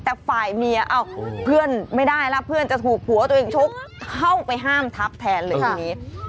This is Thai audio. แต่ฝ่ายเมียเอ้าเพื่อนไม่ได้แล้วเพื่อนจะถูกผัวตัวเองชกเข้าไปห้ามทับแทนเลยทีนี้